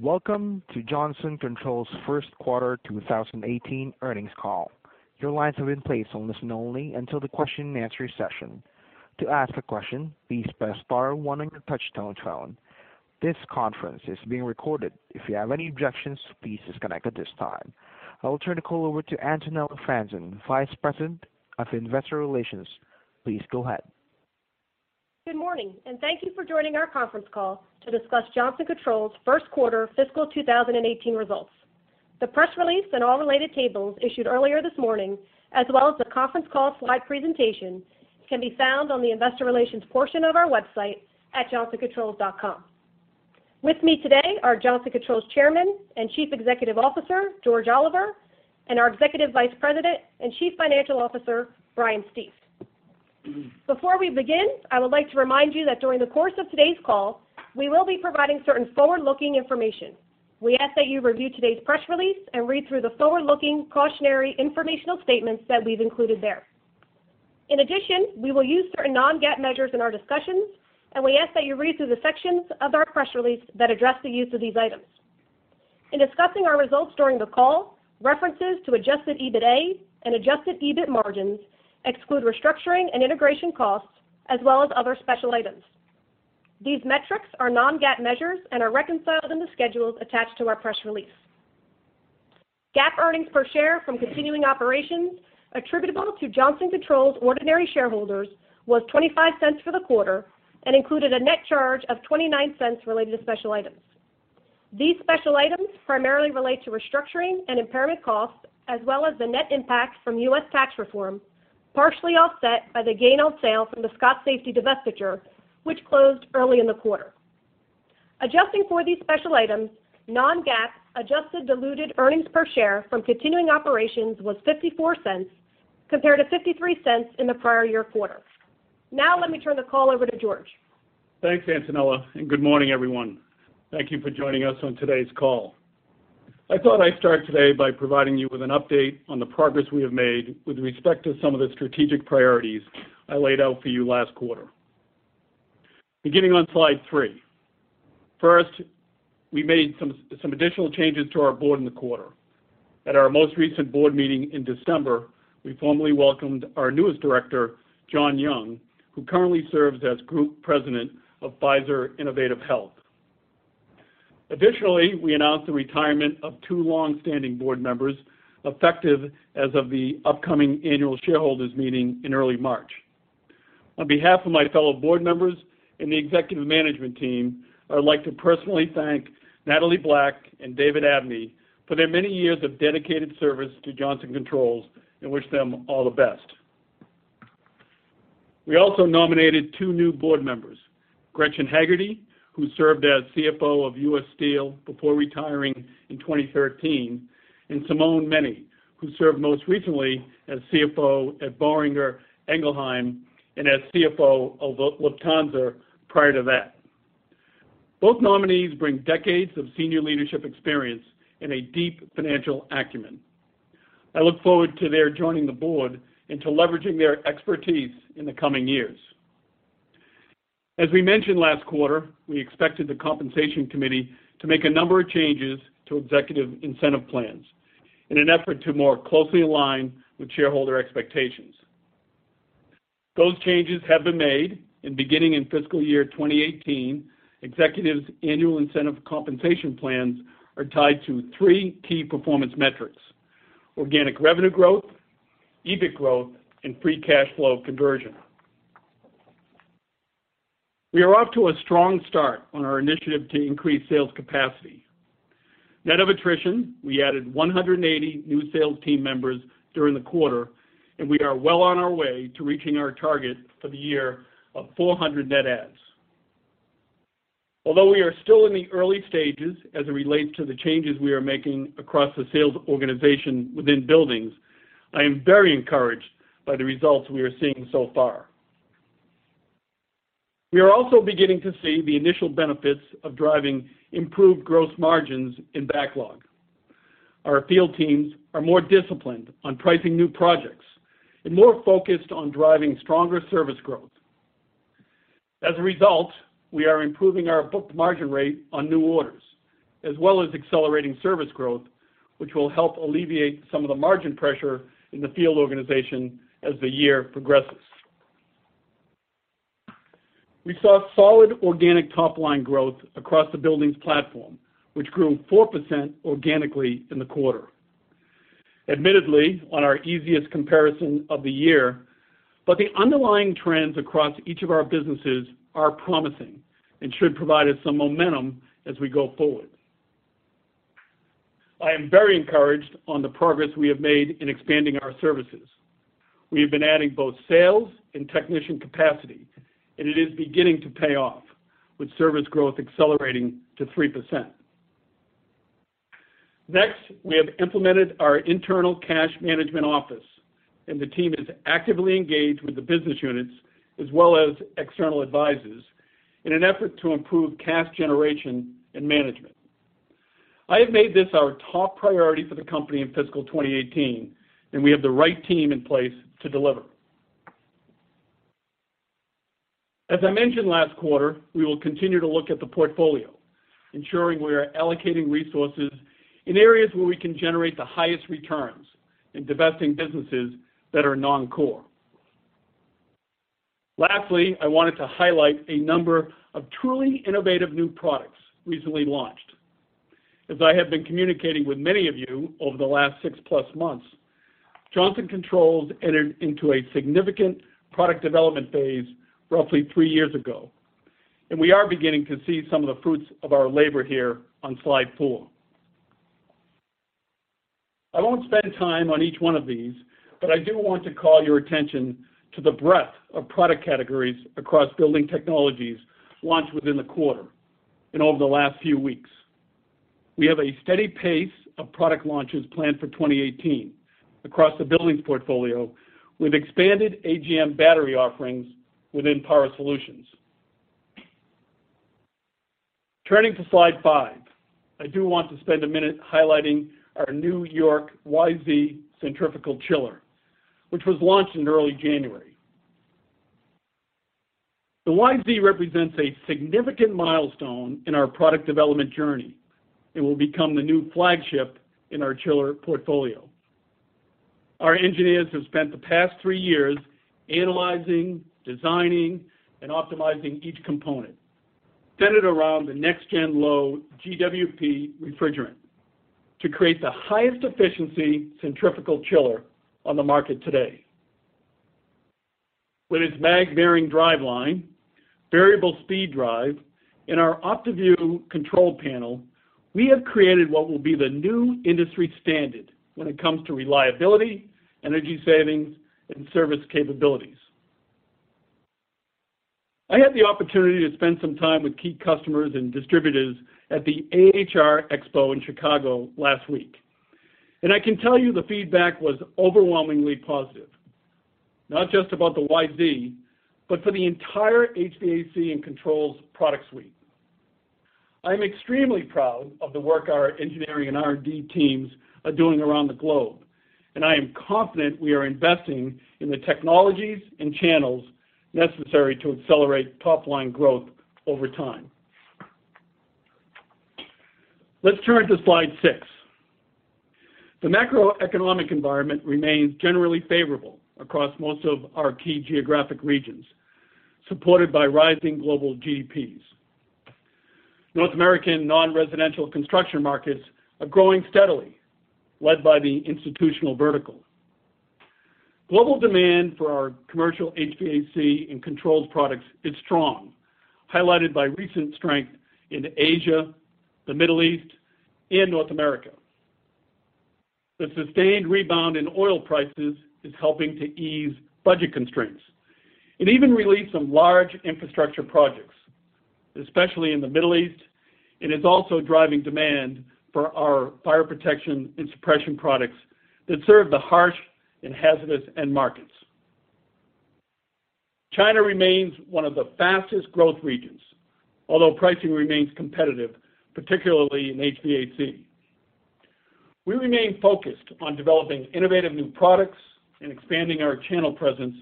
Welcome to Johnson Controls' first quarter 2018 earnings call. Your lines have been placed on listen only until the question and answer session. To ask a question, please press star-one on your touch-tone phone. This conference is being recorded. If you have any objections, please disconnect at this time. I will turn the call over to Antonella Franzen, Vice President of Investor Relations. Please go ahead. Good morning. Thank you for joining our conference call to discuss Johnson Controls' first quarter fiscal 2018 results. The press release and all related tables issued earlier this morning, as well as the conference call slide presentation, can be found on the investor relations portion of our website at johnsoncontrols.com. With me today are Johnson Controls Chairman and Chief Executive Officer, George Oliver, and our Executive Vice President and Chief Financial Officer, Brian Stief. Before we begin, I would like to remind you that during the course of today's call, we will be providing certain forward-looking information. We ask that you review today's press release and read through the forward-looking cautionary informational statements that we've included there. In addition, we will use certain non-GAAP measures in our discussions, and we ask that you read through the sections of our press release that address the use of these items. In discussing our results during the call, references to adjusted EBITA and adjusted EBIT margins exclude restructuring and integration costs, as well as other special items. These metrics are non-GAAP measures and are reconciled in the schedules attached to our press release. GAAP earnings per share from continuing operations attributable to Johnson Controls' ordinary shareholders was $0.25 for the quarter and included a net charge of $0.29 related to special items. These special items primarily relate to restructuring and impairment costs, as well as the net impact from U.S. tax reform, partially offset by the gain on sale from the Scott Safety divestiture, which closed early in the quarter. Adjusting for these special items, non-GAAP adjusted diluted earnings per share from continuing operations was $0.54 compared to $0.53 in the prior year quarter. Now let me turn the call over to George. Thanks, Antonella. Good morning, everyone. Thank you for joining us on today's call. I thought I'd start today by providing you with an update on the progress we have made with respect to some of the strategic priorities I laid out for you last quarter. Beginning on slide three. First, we made some additional changes to our board in the quarter. At our most recent board meeting in December, we formally welcomed our newest director, John Young, who currently serves as Group President of Pfizer Innovative Health. Additionally, we announced the retirement of two longstanding board members, effective as of the upcoming annual shareholders meeting in early March. On behalf of my fellow board members and the executive management team, I'd like to personally thank Natalie Black and David Abney for their many years of dedicated service to Johnson Controls and wish them all the best. We also nominated two new board members, Gretchen Haggerty, who served as CFO of U.S. Steel before retiring in 2013, and Simone Menne, who served most recently as CFO at Boehringer Ingelheim and as CFO of Lufthansa prior to that. Both nominees bring decades of senior leadership experience and a deep financial acumen. I look forward to their joining the board and to leveraging their expertise in the coming years. As we mentioned last quarter, we expected the compensation committee to make a number of changes to executive incentive plans in an effort to more closely align with shareholder expectations. Those changes have been made beginning in fiscal year 2018, executives' annual incentive compensation plans are tied to three key performance metrics: organic revenue growth, EBIT growth, and free cash flow conversion. We are off to a strong start on our initiative to increase sales capacity. Net of attrition, we added 180 new sales team members during the quarter. We are well on our way to reaching our target for the year of 400 net adds. Although we are still in the early stages as it relates to the changes we are making across the sales organization within Buildings, I am very encouraged by the results we are seeing so far. We are also beginning to see the initial benefits of driving improved gross margins in backlog. Our field teams are more disciplined on pricing new projects and more focused on driving stronger service growth. As a result, we are improving our booked margin rate on new orders, as well as accelerating service growth, which will help alleviate some of the margin pressure in the field organization as the year progresses. We saw solid organic top-line growth across the Buildings platform, which grew 4% organically in the quarter. Admittedly, on our easiest comparison of the year, the underlying trends across each of our businesses are promising and should provide us some momentum as we go forward. I am very encouraged on the progress we have made in expanding our services. We have been adding both sales and technician capacity, it is beginning to pay off, with service growth accelerating to 3%. Next, we have implemented our internal cash management office, the team is actively engaged with the business units as well as external advisors in an effort to improve cash generation and management. I have made this our top priority for the company in fiscal 2018, we have the right team in place to deliver. As I mentioned last quarter, we will continue to look at the portfolio, ensuring we are allocating resources in areas where we can generate the highest returns in divesting businesses that are non-core. Lastly, I wanted to highlight a number of truly innovative new products recently launched. As I have been communicating with many of you over the last 6-plus months, Johnson Controls entered into a significant product development phase roughly three years ago. We are beginning to see some of the fruits of our labor here on slide four. I won't spend time on each one of these, I do want to call your attention to the breadth of product categories across building technologies launched within the quarter and over the last few weeks. We have a steady pace of product launches planned for 2018 across the buildings portfolio, with expanded AGM battery offerings within Power Solutions. Turning to slide five, I do want to spend a minute highlighting our new YORK YZ centrifugal chiller, which was launched in early January. The YZ represents a significant milestone in our product development journey and will become the new flagship in our chiller portfolio. Our engineers have spent the past three years analyzing, designing, and optimizing each component, centered around the next-gen low GWP refrigerant to create the highest efficiency centrifugal chiller on the market today. With its magnetic bearing driveline, variable speed drive, and our OptiView control panel, we have created what will be the new industry standard when it comes to reliability, energy savings, and service capabilities. I had the opportunity to spend some time with key customers and distributors at the AHR Expo in Chicago last week, I can tell you the feedback was overwhelmingly positive, not just about the YZ, but for the entire HVAC and controls product suite. I'm extremely proud of the work our engineering and R&D teams are doing around the globe, and I am confident we are investing in the technologies and channels necessary to accelerate top-line growth over time. Let's turn to slide six. The macroeconomic environment remains generally favorable across most of our key geographic regions, supported by rising global GDPs. North American non-residential construction markets are growing steadily, led by the institutional vertical. Global demand for our commercial HVAC and controls products is strong, highlighted by recent strength in Asia, the Middle East, and North America. The sustained rebound in oil prices is helping to ease budget constraints and even release some large infrastructure projects, especially in the Middle East, and is also driving demand for our fire protection and suppression products that serve the harsh and hazardous end markets. China remains one of the fastest growth regions, although pricing remains competitive, particularly in HVAC. We remain focused on developing innovative new products and expanding our channel presence,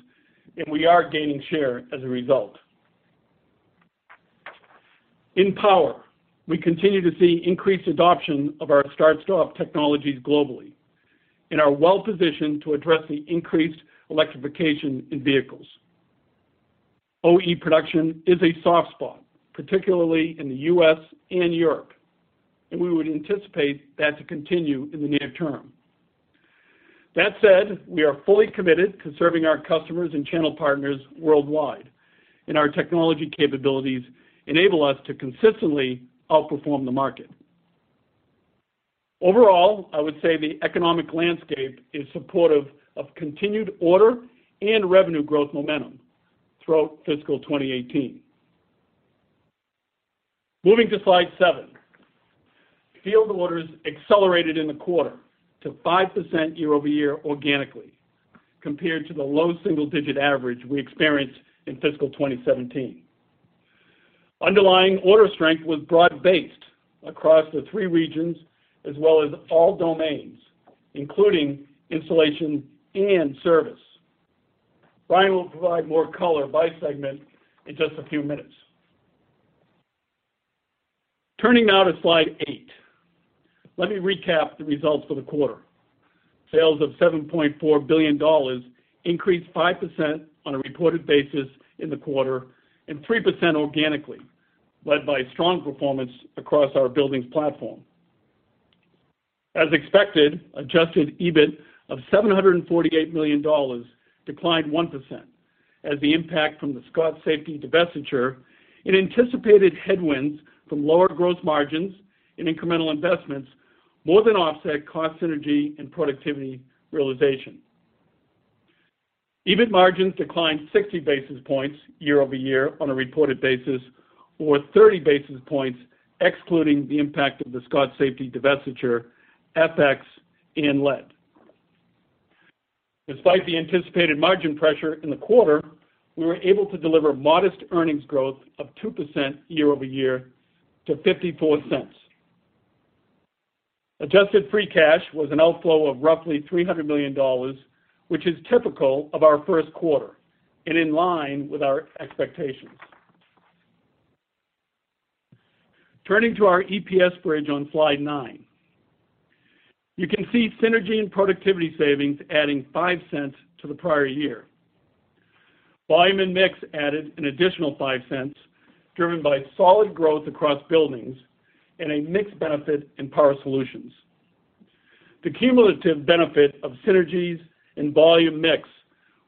and we are gaining share as a result. In power, we continue to see increased adoption of our start-stop technologies globally and are well positioned to address the increased electrification in vehicles. OE production is a soft spot, particularly in the U.S. and Europe, and we would anticipate that to continue in the near term. That said, we are fully committed to serving our customers and channel partners worldwide, and our technology capabilities enable us to consistently outperform the market. Overall, I would say the economic landscape is supportive of continued order and revenue growth momentum throughout fiscal 2018. Moving to slide seven. Field orders accelerated in the quarter to 5% year-over-year organically, compared to the low single-digit average we experienced in fiscal 2017. Underlying order strength was broad-based across the three regions as well as all domains, including installation and service. Brian will provide more color by segment in just a few minutes. Turning now to slide eight. Let me recap the results for the quarter. Sales of $7.4 billion increased 5% on a reported basis in the quarter and 3% organically, led by strong performance across our buildings platform. As expected, adjusted EBIT of $748 million declined 1% as the impact from the Scott Safety divestiture and anticipated headwinds from lower gross margins and incremental investments more than offset cost synergy and productivity realization. EBIT margins declined 60 basis points year-over-year on a reported basis, or 30 basis points excluding the impact of the Scott Safety divestiture, FX, and lease. Despite the anticipated margin pressure in the quarter, we were able to deliver modest earnings growth of 2% year-over-year to $0.54. Adjusted free cash was an outflow of roughly $300 million, which is typical of our first quarter and in line with our expectations. Turning to our EPS bridge on slide nine. You can see synergy and productivity savings adding $0.05 to the prior year. Volume and mix added an additional $0.05, driven by solid growth across Buildings and a mix benefit in Power Solutions. The cumulative benefit of synergies and volume mix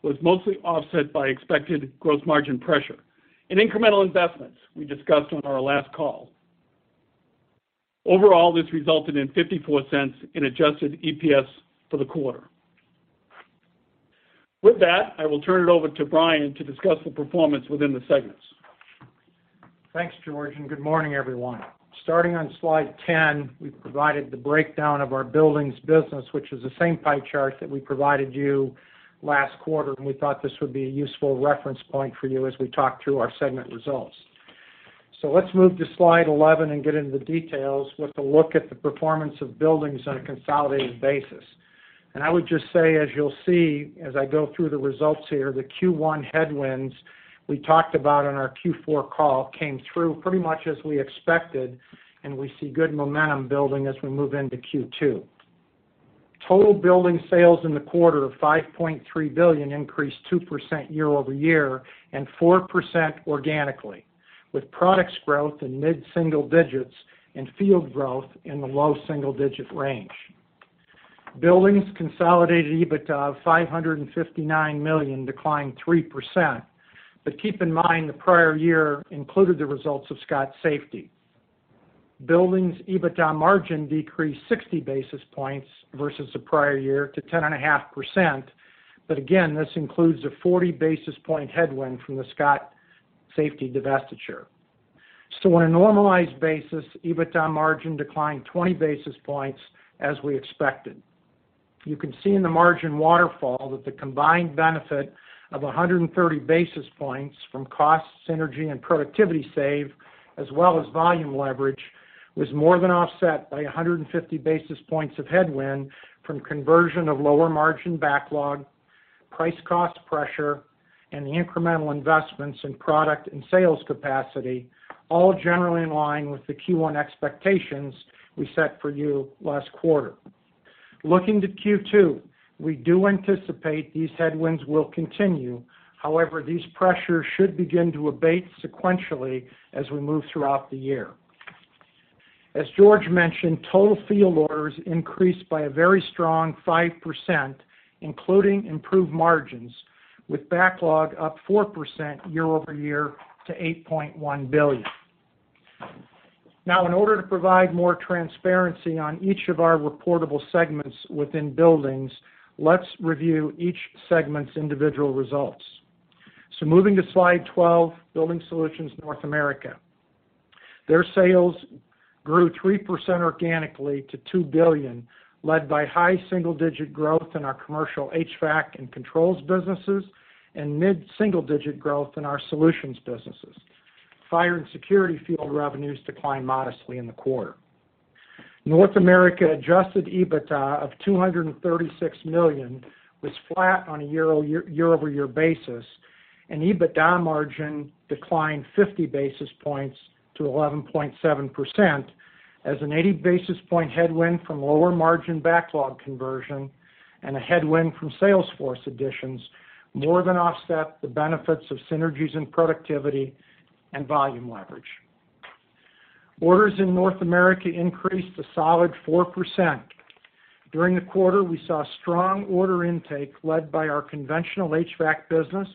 was mostly offset by expected gross margin pressure and incremental investments we discussed on our last call. Overall, this resulted in $0.54 in adjusted EPS for the quarter. With that, I will turn it over to Brian to discuss the performance within the segments. Thanks, George, and good morning, everyone. Starting on slide 10, we've provided the breakdown of our Buildings business, which is the same pie chart that we provided you last quarter, and we thought this would be a useful reference point for you as we talk through our segment results. Let's move to slide 11 and get into the details with a look at the performance of Buildings on a consolidated basis. I would just say, as you'll see, as I go through the results here, the Q1 headwinds we talked about on our Q4 call came through pretty much as we expected, and we see good momentum building as we move into Q2. Total Building sales in the quarter of $5.3 billion increased 2% year-over-year and 4% organically, with products growth in mid-single digits and field growth in the low double-digit range. Buildings consolidated EBITDA of $559 million declined 3%, but keep in mind, the prior year included the results of Scott Safety. Buildings EBITDA margin decreased 60 basis points versus the prior year to 10.5%, but again, this includes a 40 basis point headwind from the Scott Safety divestiture. On a normalized basis, EBITDA margin declined 20 basis points as we expected. You can see in the margin waterfall that the combined benefit of 130 basis points from cost synergy and productivity save, as well as volume leverage, was more than offset by 150 basis points of headwind from conversion of lower margin backlog, price cost pressure, and the incremental investments in product and sales capacity, all generally in line with the Q1 expectations we set for you last quarter. Looking to Q2, we do anticipate these headwinds will continue. However, these pressures should begin to abate sequentially as we move throughout the year. As George mentioned, total field orders increased by a very strong 5%, including improved margins, with backlog up 4% year-over-year to $8.1 billion. In order to provide more transparency on each of our reportable segments within buildings, let's review each segment's individual results. Moving to Slide 12, Building Solutions North America. Their sales grew 3% organically to $2 billion, led by high single-digit growth in our commercial HVAC and controls businesses, and mid-single-digit growth in our solutions businesses. Fire and security field revenues declined modestly in the quarter. North America adjusted EBITDA of $236 million was flat on a year-over-year basis, and EBITDA margin declined 50 basis points to 11.7% as an 80 basis point headwind from lower margin backlog conversion and a headwind from sales force additions more than offset the benefits of synergies and productivity and volume leverage. Orders in North America increased a solid 4%. During the quarter, we saw strong order intake led by our conventional HVAC business,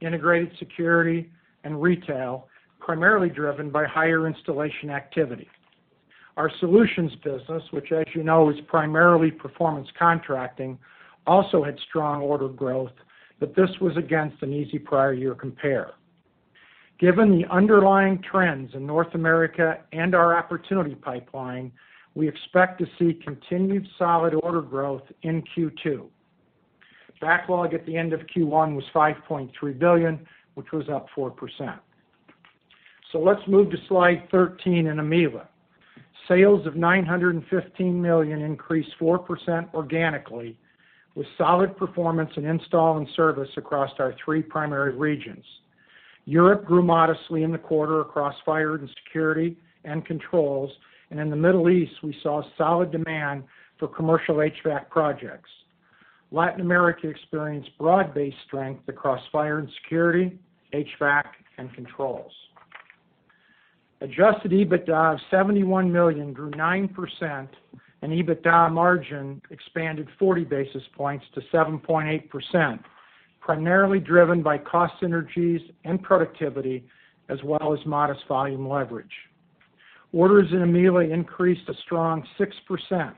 integrated security, and retail, primarily driven by higher installation activity. Our solutions business, which as you know, is primarily performance contracting, also had strong order growth, but this was against an easy prior year compare. Given the underlying trends in North America and our opportunity pipeline, we expect to see continued solid order growth in Q2. Backlog at the end of Q1 was $5.3 billion, which was up 4%. Let's move to slide 13 in EMEA. Sales of $915 million increased 4% organically with solid performance in install and service across our three primary regions. Europe grew modestly in the quarter across fire and security and controls, and in the Middle East, we saw solid demand for commercial HVAC projects. Latin America experienced broad-based strength across fire and security, HVAC, and controls. Adjusted EBITDA of $71 million grew 9%, and EBITDA margin expanded 40 basis points to 7.8%, primarily driven by cost synergies and productivity, as well as modest volume leverage. Orders in EMEA increased a strong 6%,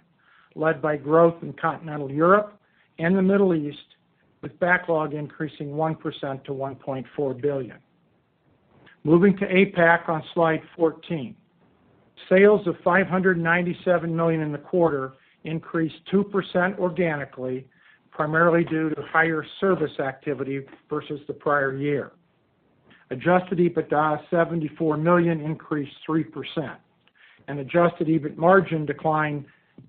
led by growth in Continental Europe and the Middle East, with backlog increasing 1% to $1.4 billion. Moving to APAC on slide 14. Sales of $597 million in the quarter increased 2% organically, primarily due to higher service activity versus the prior year. Adjusted EBITDA of $74 million increased 3%, and adjusted EBIT margin declined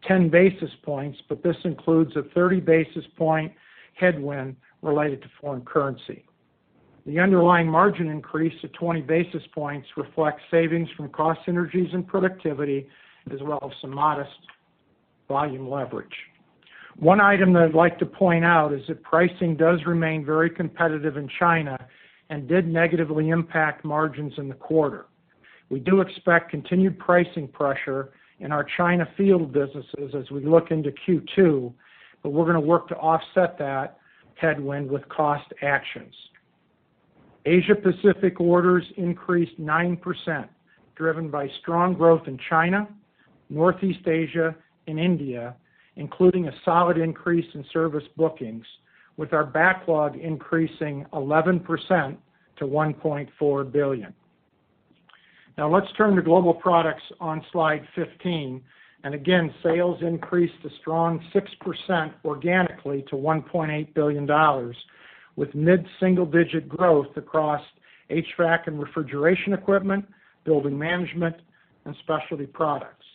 10 basis points, but this includes a 30 basis point headwind related to foreign currency. The underlying margin increase to 20 basis points reflects savings from cost synergies and productivity, as well as some modest volume leverage. One item that I'd like to point out is that pricing does remain very competitive in China and did negatively impact margins in the quarter. We do expect continued pricing pressure in our China field businesses as we look into Q2, but we're going to work to offset that headwind with cost actions. Asia Pacific orders increased 9%, driven by strong growth in China, Northeast Asia, and India, including a solid increase in service bookings, with our backlog increasing 11% to $1.4 billion. Let's turn to Global Products on slide 15. Again, sales increased a strong 6% organically to $1.8 billion, with mid-single-digit growth across HVAC and refrigeration equipment, building management, and specialty products.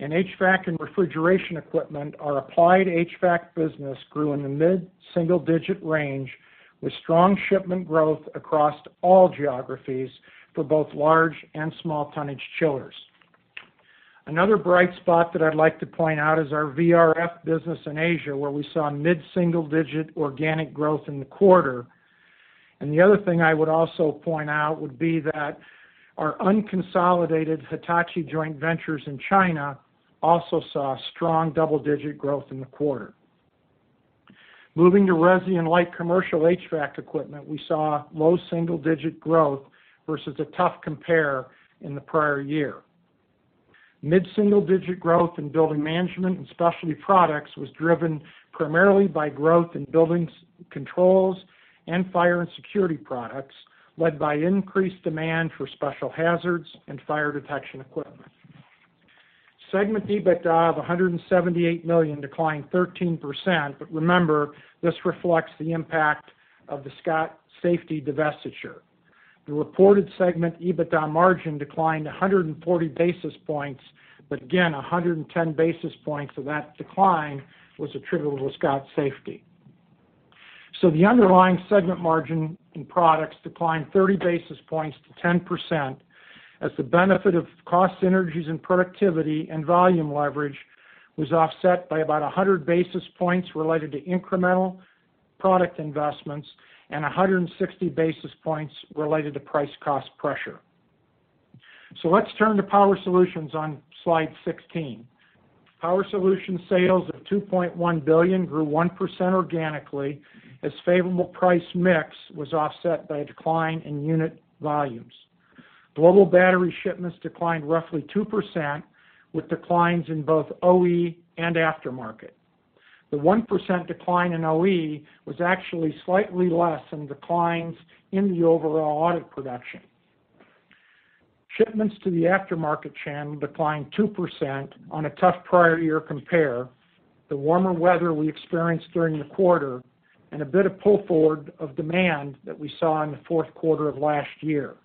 In HVAC and refrigeration equipment, our applied HVAC business grew in the mid-single-digit range with strong shipment growth across all geographies for both large and small tonnage chillers. Another bright spot that I'd like to point out is our VRF business in Asia, where we saw mid-single-digit organic growth in the quarter. The other thing I would also point out would be that our unconsolidated Hitachi joint ventures in China also saw strong double-digit growth in the quarter. Moving to resi and light commercial HVAC equipment, we saw low single-digit growth versus a tough compare in the prior year. Mid-single-digit growth in building management and specialty products was driven primarily by growth in buildings controls and fire and security products, led by increased demand for special hazards and fire detection equipment. Segment EBITDA of $178 million declined 13%. Remember, this reflects the impact of the Scott Safety divestiture. The reported segment EBITDA margin declined 140 basis points. Again, 110 basis points of that decline was attributable to Scott Safety. The underlying segment margin in products declined 30 basis points to 10% as the benefit of cost synergies and productivity and volume leverage was offset by about 100 basis points related to incremental product investments and 160 basis points related to price cost pressure. Let's turn to power solutions on slide 16. Power solutions sales of $2.1 billion grew 1% organically as favorable price mix was offset by a decline in unit volumes. Global battery shipments declined roughly 2%, with declines in both OE and aftermarket. The 1% decline in OE was actually slightly less than declines in the overall auto production. Shipments to the aftermarket channel declined 2% on a tough prior year compare. The warmer weather we experienced during the quarter and a bit of pull-forward of demand that we saw in the fourth quarter of last year.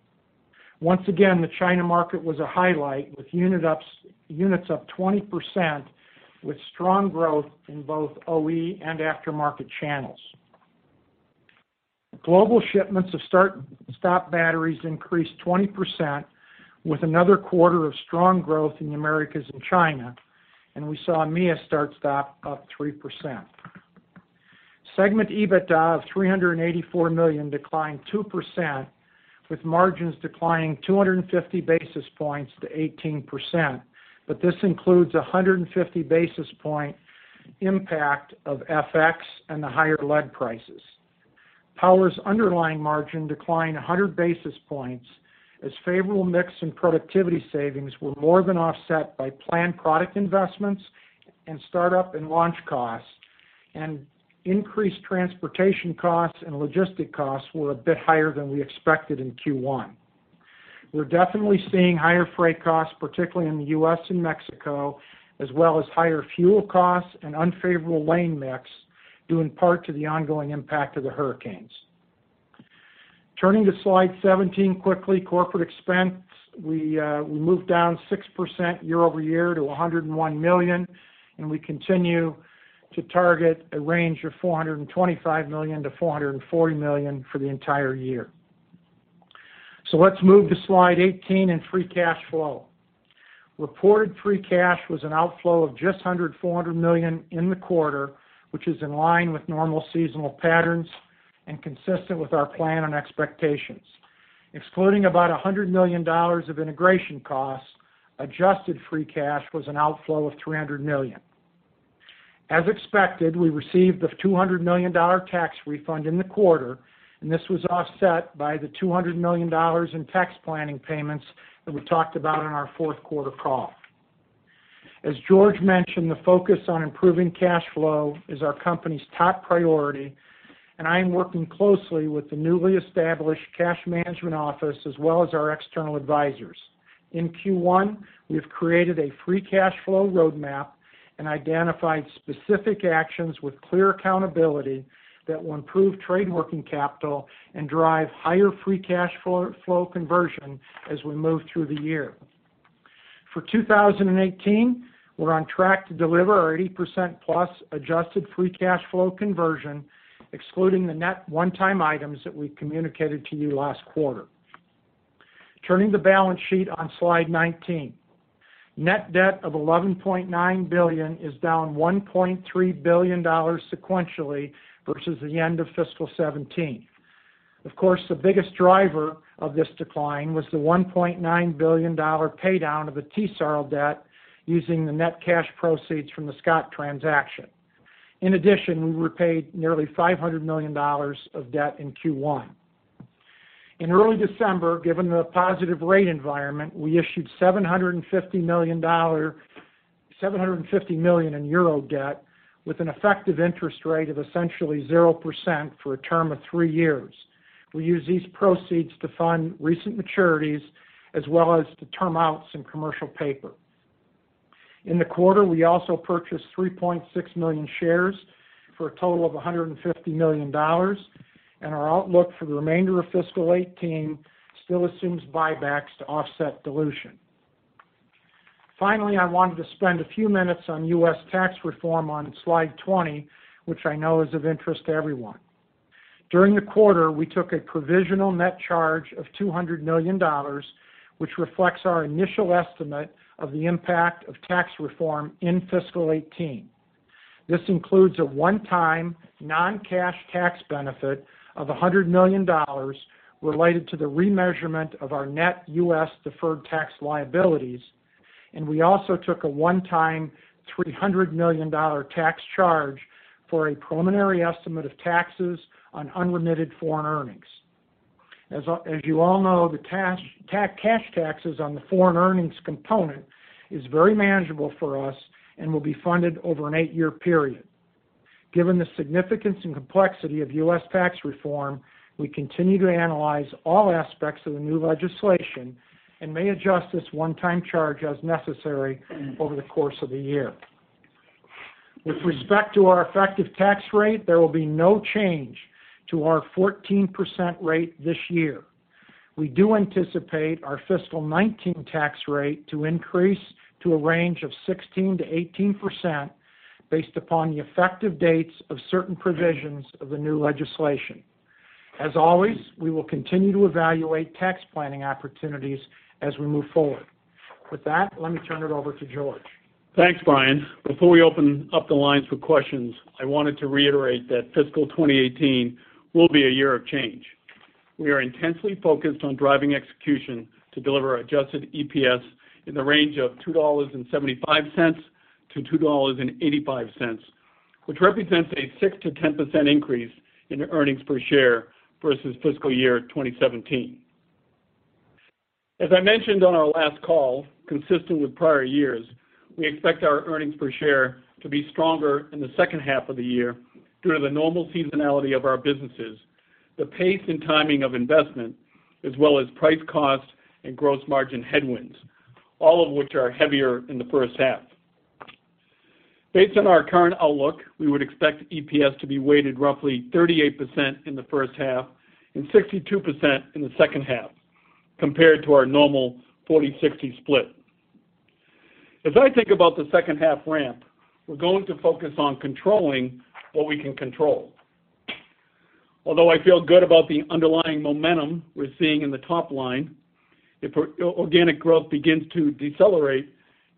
Once again, the China market was a highlight with units up 20%, with strong growth in both OE and aftermarket channels. Global shipments of start-stop batteries increased 20%, with another quarter of strong growth in the Americas and China. We saw EMEA start-stop up 3%. Segment EBITDA of $384 million declined 2%, with margins declining 250 basis points to 18%. This includes 150 basis point impact of FX and the higher lead prices. Power's underlying margin declined 100 basis points as favorable mix and productivity savings were more than offset by planned product investments and startup and launch costs. Increased transportation costs and logistic costs were a bit higher than we expected in Q1. We're definitely seeing higher freight costs, particularly in the U.S. and Mexico, as well as higher fuel costs and unfavorable lane mix, due in part to the ongoing impact of the hurricanes. Turning to slide 17 quickly, corporate expense. We moved down 6% year-over-year to $101 million. We continue to target a range of $425 million-$440 million for the entire year. Let's move to slide 18 and free cash flow. Reported free cash was an outflow of just $400 million in the quarter, which is in line with normal seasonal patterns and consistent with our plan and expectations. Excluding about $100 million of integration costs, adjusted free cash was an outflow of $300 million. As expected, we received the $200 million tax refund in the quarter, this was offset by the $200 million in tax planning payments that we talked about on our fourth quarter call. As George mentioned, the focus on improving cash flow is our company's top priority, I am working closely with the newly established cash management office, as well as our external advisors. In Q1, we have created a free cash flow roadmap and identified specific actions with clear accountability that will improve trade working capital and drive higher free cash flow conversion as we move through the year. For 2018, we're on track to deliver our 80% plus adjusted free cash flow conversion, excluding the net one-time items that we communicated to you last quarter. Turning to the balance sheet on Slide 19. Net debt of $11.9 billion is down $1.3 billion sequentially versus the end of fiscal 2017. Of course, the biggest driver of this decline was the $1.9 billion paydown of the TSARL debt using the net cash proceeds from the Scott transaction. In addition, we repaid nearly $500 million of debt in Q1. In early December, given the positive rate environment, we issued $750 million in EUR debt with an effective interest rate of essentially 0% for a term of three years. We used these proceeds to fund recent maturities as well as to term out some commercial paper. In the quarter, we also purchased 3.6 million shares for a total of $150 million, our outlook for the remainder of fiscal 2018 still assumes buybacks to offset dilution. Finally, I wanted to spend a few minutes on U.S. tax reform on Slide 20, which I know is of interest to everyone. During the quarter, we took a provisional net charge of $200 million, which reflects our initial estimate of the impact of tax reform in fiscal 2018. This includes a one-time non-cash tax benefit of $100 million related to the remeasurement of our net U.S. deferred tax liabilities, we also took a one-time $300 million tax charge for a preliminary estimate of taxes on unremitted foreign earnings. As you all know, the cash taxes on the foreign earnings component is very manageable for us and will be funded over an eight-year period. Given the significance and complexity of U.S. tax reform, we continue to analyze all aspects of the new legislation and may adjust this one-time charge as necessary over the course of the year. With respect to our effective tax rate, there will be no change to our 14% rate this year. We do anticipate our fiscal 2019 tax rate to increase to a range of 16%-18%, based upon the effective dates of certain provisions of the new legislation. As always, we will continue to evaluate tax planning opportunities as we move forward. With that, let me turn it over to George. Thanks, Brian. Before we open up the lines for questions, I wanted to reiterate that fiscal 2018 will be a year of change. We are intensely focused on driving execution to deliver adjusted EPS in the range of $2.75-$2.85, which represents a 6%-10% increase in earnings per share versus fiscal year 2017. As I mentioned on our last call, consistent with prior years, we expect our earnings per share to be stronger in the second half of the year due to the normal seasonality of our businesses, the pace and timing of investment, as well as price cost and gross margin headwinds, all of which are heavier in the first half. Based on our current outlook, we would expect EPS to be weighted roughly 38% in the first half and 62% in the second half, compared to our normal 40-60 split. As I think about the second half ramp, we're going to focus on controlling what we can control. Although I feel good about the underlying momentum we're seeing in the top line, if organic growth begins to decelerate,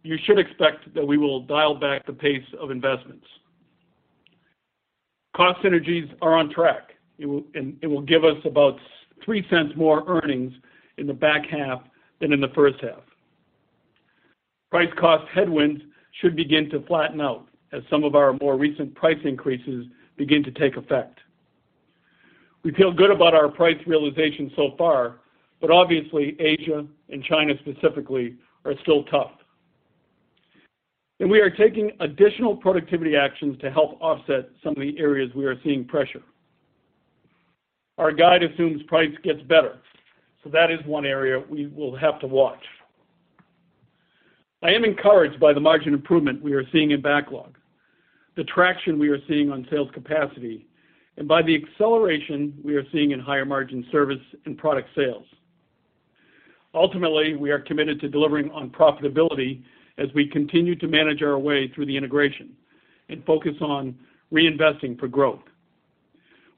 you should expect that we will dial back the pace of investments. Cost synergies are on track, it will give us about $0.03 more earnings in the back half than in the first half. Price cost headwinds should begin to flatten out as some of our more recent price increases begin to take effect. We feel good about our price realization so far, but obviously Asia and China specifically are still tough. We are taking additional productivity actions to help offset some of the areas we are seeing pressure. Our guide assumes price gets better. That is one area we will have to watch. I am encouraged by the margin improvement we are seeing in backlog, the traction we are seeing on sales capacity, and by the acceleration we are seeing in higher margin service and product sales. Ultimately, we are committed to delivering on profitability as we continue to manage our way through the integration and focus on reinvesting for growth.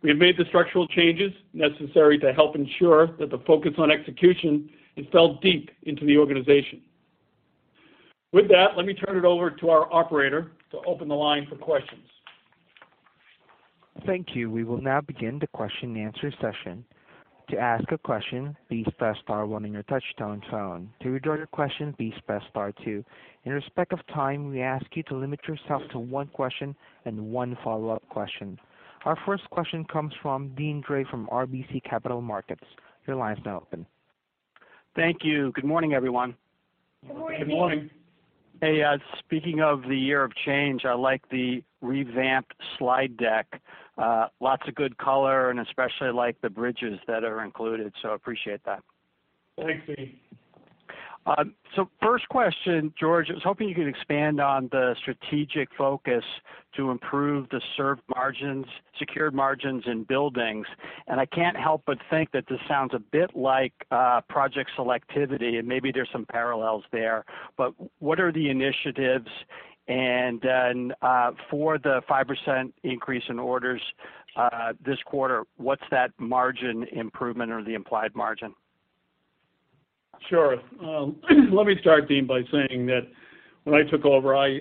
We have made the structural changes necessary to help ensure that the focus on execution is felt deep into the organization. With that, let me turn it over to our operator to open the line for questions. Thank you. We will now begin the question and answer session. To ask a question, please press star one on your touch-tone phone. To withdraw your question, please press star two. In respect of time, we ask you to limit yourself to one question and one follow-up question. Our first question comes from Deane Dray from RBC Capital Markets. Your line's now open. Thank you. Good morning, everyone. Good morning. Hey, speaking of the year of change, I like the revamped slide deck. Lots of good color, and especially like the bridges that are included, so appreciate that. Thanks, Deane. First question, George, I was hoping you could expand on the strategic focus to improve the served margins, secured margins in buildings. I can't help but think that this sounds a bit like project selectivity, and maybe there's some parallels there. What are the initiatives? For the 5% increase in orders this quarter, what's that margin improvement or the implied margin? Sure. Let me start, Deane Dray, by saying that when I took over, I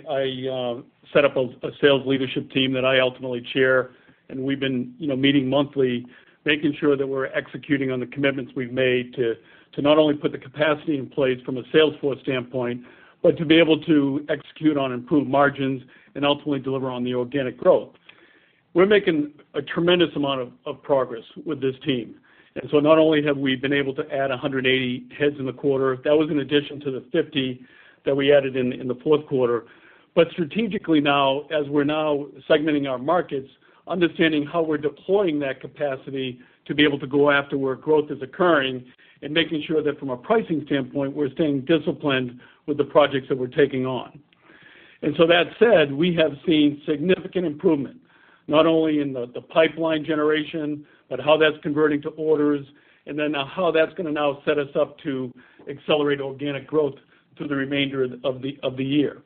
set up a sales leadership team that I ultimately chair, we've been meeting monthly, making sure that we're executing on the commitments we've made to not only put the capacity in place from a sales force standpoint, but to be able to execute on improved margins and ultimately deliver on the organic growth. We're making a tremendous amount of progress with this team. Not only have we been able to add 180 heads in the quarter, that was in addition to the 50 that we added in the fourth quarter. Strategically now, as we're now segmenting our markets, understanding how we're deploying that capacity to be able to go after where growth is occurring, making sure that from a pricing standpoint, we're staying disciplined with the projects that we're taking on. That said, we have seen significant improvement, not only in the pipeline generation, but how that's converting to orders, how that's going to now set us up to accelerate organic growth through the remainder of the year.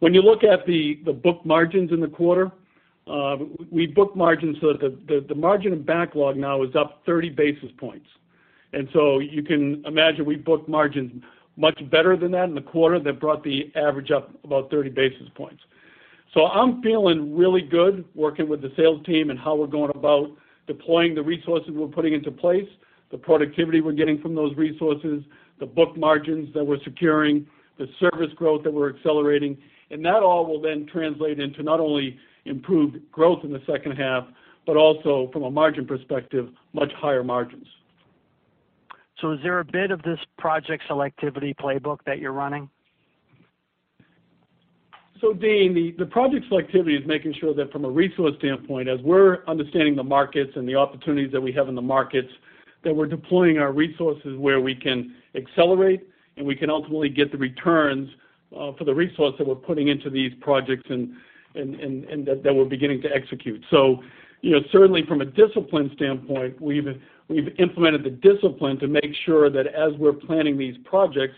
When you look at the booked margins in the quarter, we booked margins so that the margin and backlog now is up 30 basis points. You can imagine we booked margins much better than that in the quarter that brought the average up about 30 basis points. I'm feeling really good working with the sales team how we're going about deploying the resources we're putting into place, the productivity we're getting from those resources, the booked margins that we're securing, the service growth that we're accelerating, that all will then translate into not only improved growth in the second half, but also from a margin perspective, much higher margins. Is there a bit of this project selectivity playbook that you're running? Deane, the project selectivity is making sure that from a resource standpoint, as we're understanding the markets and the opportunities that we have in the markets, that we're deploying our resources where we can accelerate and we can ultimately get the returns for the resource that we're putting into these projects and that we're beginning to execute. Certainly from a discipline standpoint, we've implemented the discipline to make sure that as we're planning these projects,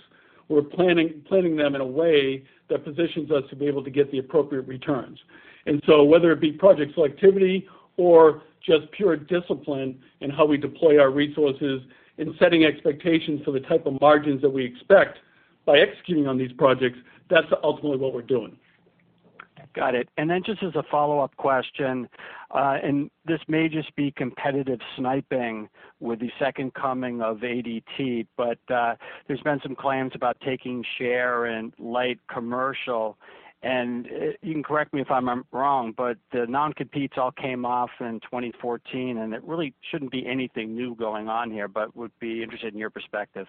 we're planning them in a way that positions us to be able to get the appropriate returns. Whether it be project selectivity or just pure discipline in how we deploy our resources in setting expectations for the type of margins that we expect by executing on these projects, that's ultimately what we're doing. Got it. Then just as a follow-up question, this may just be competitive sniping with the second coming of ADT, but there's been some claims about taking share in light commercial. You can correct me if I'm wrong, but the non-competes all came off in 2014, and it really shouldn't be anything new going on here, but would be interested in your perspective.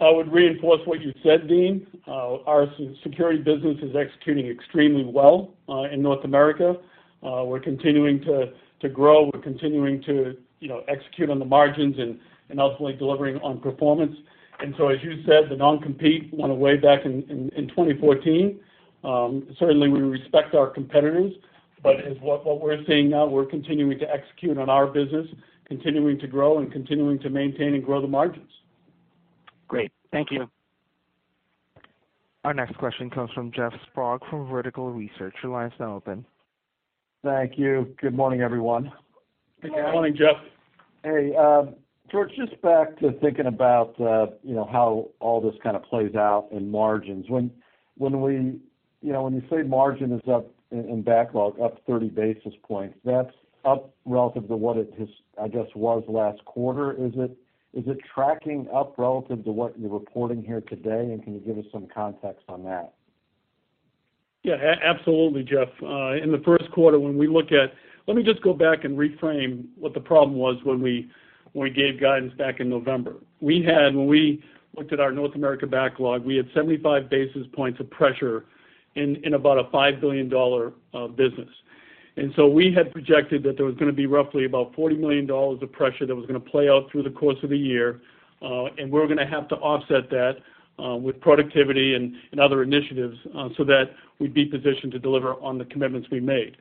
I would reinforce what you said, Deane. Our security business is executing extremely well in North America. We're continuing to grow. We're continuing to execute on the margins and ultimately delivering on performance. As you said, the non-compete went away back in 2014. Certainly, we respect our competitors, but as what we're seeing now, we're continuing to execute on our business, continuing to grow, and continuing to maintain and grow the margins. Great. Thank you. Our next question comes from Jeff Sprague from Vertical Research. Your line is now open. Thank you. Good morning, everyone. Good morning, Jeff. George, just back to thinking about how all this kind of plays out in margins. When you say margin is up in backlog up 30 basis points, that's up relative to what it, I guess, was last quarter. Is it tracking up relative to what you're reporting here today? Can you give us some context on that? Absolutely, Jeff. In the first quarter, let me just go back and reframe what the problem was when we gave guidance back in November. When we looked at our North America backlog, we had 75 basis points of pressure in about a $5 billion business. We had projected that there was going to be roughly about $40 million of pressure that was going to play out through the course of the year, and we were going to have to offset that with productivity and other initiatives so that we'd be positioned to deliver on the commitments we made.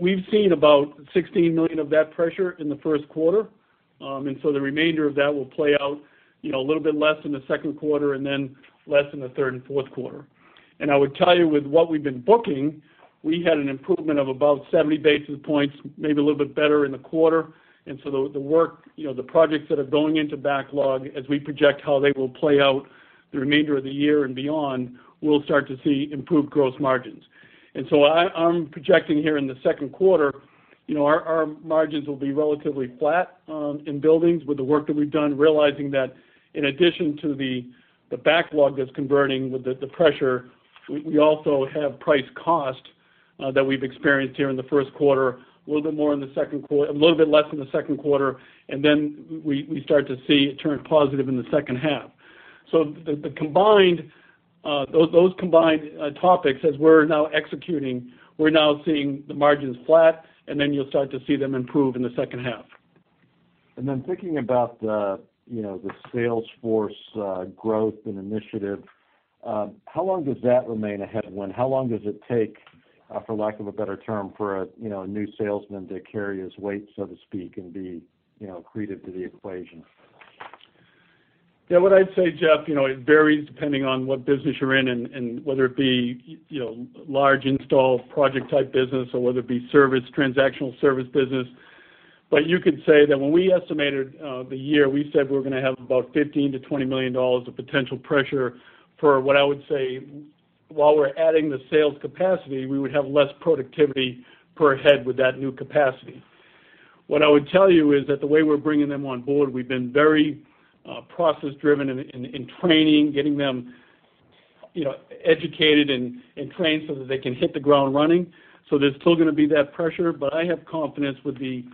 We've seen about $16 million of that pressure in the first quarter. The remainder of that will play out a little bit less in the second quarter and then less in the third and fourth quarter. I would tell you with what we've been booking, we had an improvement of about 70 basis points, maybe a little bit better in the quarter. The work, the projects that are going into backlog as we project how they will play out the remainder of the year and beyond, we'll start to see improved gross margins. I'm projecting here in the second quarter, our margins will be relatively flat in buildings with the work that we've done, realizing that in addition to the backlog that's converting with the pressure, we also have price cost that we've experienced here in the first quarter, a little bit less in the second quarter, and then we start to see it turn positive in the second half. Those combined topics, as we're now executing, we're now seeing the margins flat, and then you'll start to see them improve in the second half. Thinking about the sales force growth and initiative, how long does that remain a headwind? How long does it take, for lack of a better term, for a new salesman to carry his weight, so to speak, and be accretive to the equation? What I'd say, Jeff, it varies depending on what business you're in and whether it be large install project type business or whether it be transactional service business. You could say that when we estimated the year, we said we're going to have about $15 million-$20 million of potential pressure for what I would say, while we're adding the sales capacity, we would have less productivity per head with that new capacity. What I would tell you is that the way we're bringing them on board, we've been very process driven in training, getting them educated and trained so that they can hit the ground running. There's still going to be that pressure, I have confidence with the